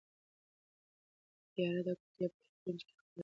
تیاره د کوټې په هر کونج کې خپره ده.